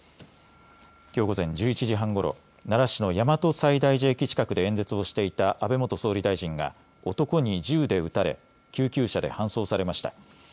きょう午前１１時半ごろ、奈良市の大和西大寺駅近くで演説をしていた安倍元総理大臣が男に銃で撃たれ救急車で搬送されました。